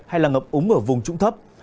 hay là ngập úng ở vùng trụng thấp